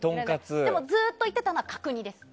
でも、ずっと言っていたのは角煮です。